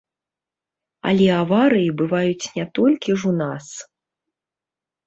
Але аварыі бываюць не толькі ж у нас.